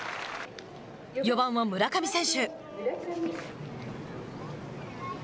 ４番は村上選手。